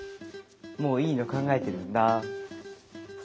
もういいの考えてるんだ。